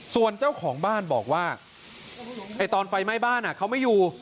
ส่วนเจ้าของบ้านบอกว่าตอนไฟไหม้บ้านเขาไม่อยู่